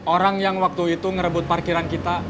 orang yang waktu itu ngerebut parkiran kita